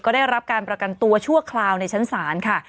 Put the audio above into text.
ก็ได้รับการประกันตัวชั่วคราวในชั้นศาลค่ะ